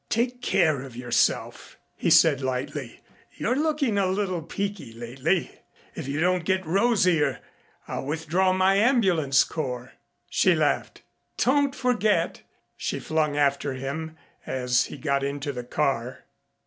"Take care of yourself," he said lightly. "You're looking a little peaky lately. If you don't get rosier I'll withdraw my ambulance corps." She laughed. "Don't forget!" she flung after him as he got into the car.